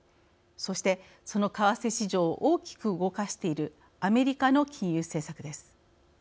そして、その為替市場を大きく動かしているアメリカの金融政策です。